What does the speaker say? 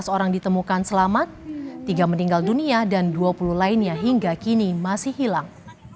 sebelas orang ditemukan selamat tiga meninggal dunia dan dua puluh lainnya hingga kini masih hilang